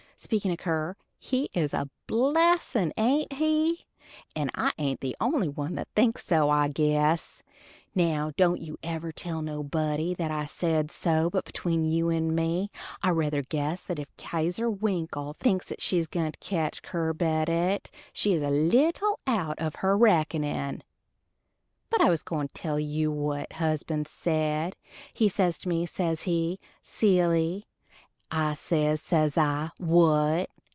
Speakin' o' Kier, he is a blessin', ain't he? and I ain't the only one that thinks so, I guess. Now don't you never tell nobody that I said so, but between you and me I rather guess that if Kezier Winkle thinks she is a gwine to ketch Kier Bedott she is a leetle out of her reckonin'. But I was going to tell what husband said. He says to me, says he, "Silly"; I says, says I, "What?"